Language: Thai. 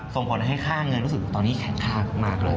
ส่งผลให้ค่าเงินรู้สึกตอนนี้แข็งค่ามากเลย